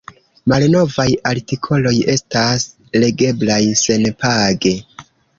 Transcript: Malnovaj artikoloj estas legeblaj senpage.